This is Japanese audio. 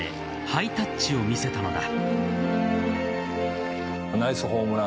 ハイタッチを見せたのだ。